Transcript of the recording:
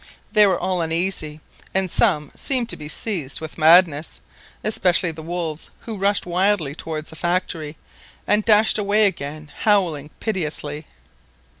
They were all uneasy, and some seemed to be seized with madness, especially the wolves, who rushed wildly towards the factory, and dashed away again howling piteously.